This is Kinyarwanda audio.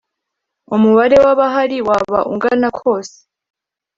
umubare w abahari waba ungana kose